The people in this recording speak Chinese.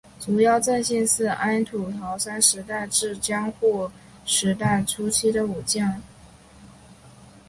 竹腰正信是安土桃山时代至江户时代初期的武将。